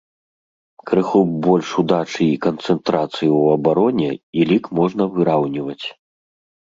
Крыху б больш удачы і і канцэнтрацыі ў абароне, і лік можна выраўніваць.